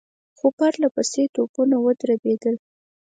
څو پرله پسې توپونه ودربېدل.